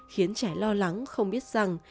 khiến trẻ lo lắng không biết rằng